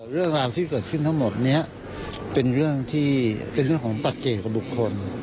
เรื่องราวที่เกิดขึ้นทั้งหมดนี้เป็นเรื่องที่เป็นเรื่องของปัจเจตกับบุคคล